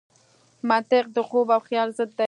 منطق د خوب او خیال ضد دی.